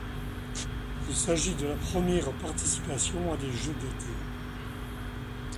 Il s'agit de la première participation à des Jeux d'été.